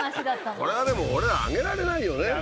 これはでも俺ら上げられないよね。